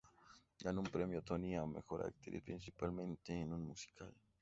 Ganó un premio Tony a mejor actriz principal en un musical.